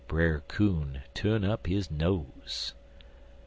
"Brer Coon tu'n up his nose.